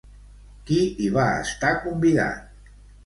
Qui hi va estar convidat?